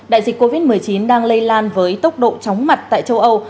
đại dịch covid một mươi chín đang lây lan với tốc độ chóng mặt tại châu âu